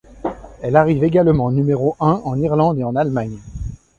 Elle arrive également numéro un en Irlande et en Allemagne.